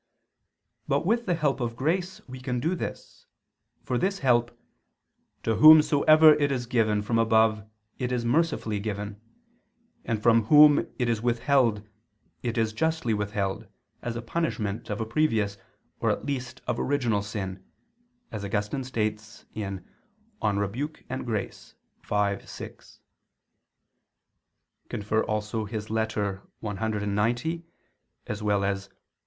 But with the help of grace we can do this, for this help "to whomsoever it is given from above it is mercifully given; and from whom it is withheld it is justly withheld, as a punishment of a previous, or at least of original, sin," as Augustine states (De Corr. et Grat. v, vi [*Cf. Ep. cxc; De Praed. Sanct.